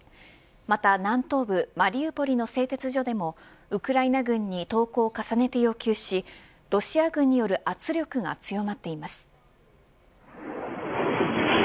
また南東部マリウポリの製鉄所でもウクライナ軍に投降を重ねて要求しロシア軍による圧力が強まっています。